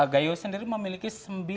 gayo sendiri memiliki sembilan puluh